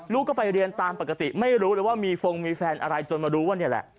ลูกก็ไปเรียนตามปกติไม่รู้เลยว่ามีฟงมีแฟนอะไรจนมารู้ว่านี่แหละ